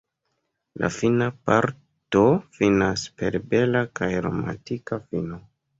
La fina parto finas per bela kaj romantika fino.